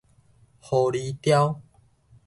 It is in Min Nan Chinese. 狐狸貂